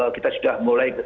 kita sudah mulai